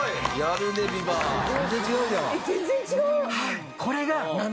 全然違う！